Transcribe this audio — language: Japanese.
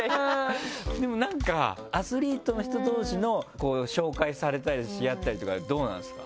でもなんかアスリートの人同士の紹介されたりし合ったりとかはどうなんですか？